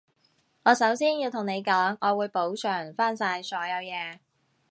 我首先要同你講，我會補償返晒所有嘢